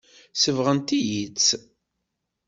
Sebɣent-iyi-tt.